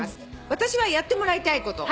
「私はやってもらいたいこと」